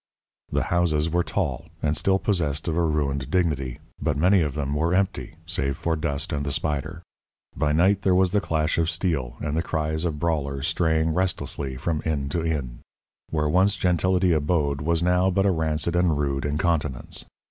The houses were tall and still possessed of a ruined dignity, but many of them were empty save for dust and the spider. By night there was the clash of steel and the cries of brawlers straying restlessly from inn to inn. Where once gentility abode was now but a rancid and rude incontinence.